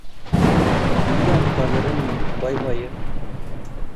Kiiyan kagerenyi eng boiboiyet